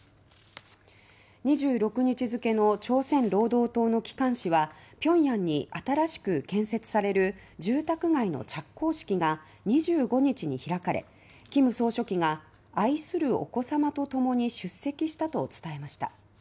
２６日付の朝鮮労働党の機関紙は平壌に新しく建設される住宅街の着工式が２５日に開かれ金総書記が「愛するお子様」とともに出席したと伝えました。